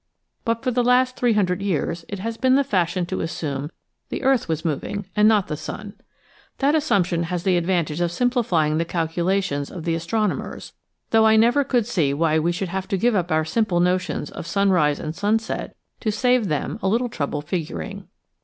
But for the last three hundred years it has been the fashion to assume the earth was moving and not the sun. That assumption has the advantage of simplifying the calculations of the as tronomers, though I never could see why we should have to give up our simple notions of sunrise and sun set to save them a little trouble figuring.